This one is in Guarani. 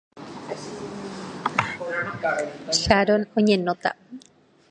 Sharon oñenóta.